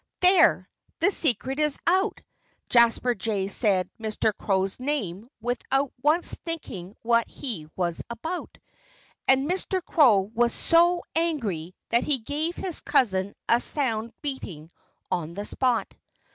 There! The secret is out! Jasper Jay said Mr. Crow's name without once thinking what he was about. And Mr. Crow was so angry that he gave his cousin a sound beating, on the spot.